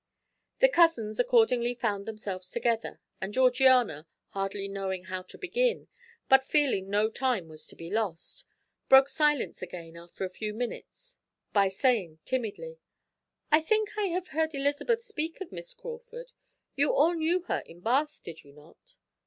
The cousins accordingly found themselves together, and Georgiana, hardly knowing how to begin, but feeling no time was to be lost, broke silence again after a few minutes after a few minutes by saying timidly: "I think I have heard Elizabeth speak of Miss Crawford; you all knew her in Bath, did you not?"